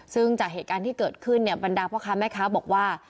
ซึ่งจากเหตุการณ์ที่เกิดขึ้นเนี่ยบรรดาพ่อค้าแม่ค้าบอกว่า